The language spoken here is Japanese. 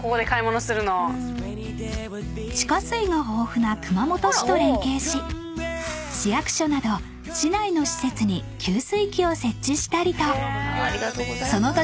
［地下水が豊富な熊本市と連携し市役所など市内の施設に給水機を設置したりとその］